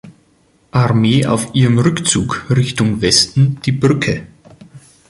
Armee auf ihrem Rückzug Richtung Westen die Brücke.